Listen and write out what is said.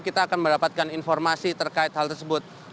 kita akan mendapatkan informasi terkait hal tersebut